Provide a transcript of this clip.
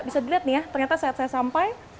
bisa dilihat nih ya ternyata saat saya sampai